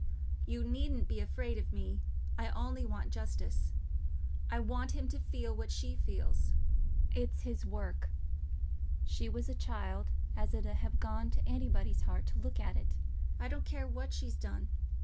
"You needn't be afraid of me. I only want justice. I want him to feel what she feels. It's his work... she was a child as it 'ud ha' gone t' anybody's heart to look at... I don't care what she's done...